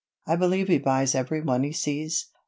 I believe he buys every one he sees."